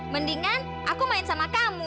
mendingan aku main sama kamu